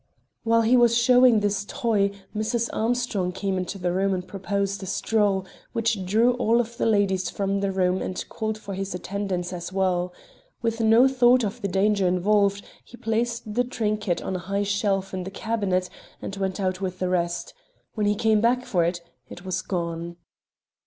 "While he was showing this toy, Mrs. Armstrong came into the room and proposed a stroll, which drew all of the ladies from the room and called for his attendance as well. With no thought of the danger involved, he placed the trinket on a high shelf in the cabinet, and went out with the rest. When he came back for it, it was gone."